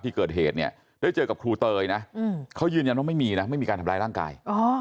ที่เกิดเหตุเนี่ยได้เจอกับครูเตยนะเขายืนยันว่าไม่มีนะไม่มีการทำร้ายร่างกาย